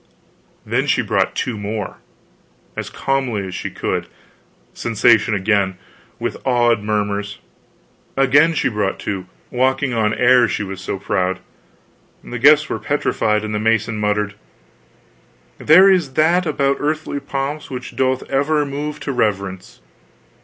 Then she brought two more as calmly as she could. Sensation again with awed murmurs. Again she brought two walking on air, she was so proud. The guests were petrified, and the mason muttered: "There is that about earthly pomps which doth ever move to reverence."